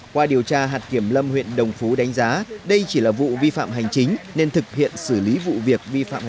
qua điều tra hạt kiểm lâm huyện đồng phú đánh giá đây chỉ là vụ vi phạm hành chính nên thực hiện xử lý vụ việc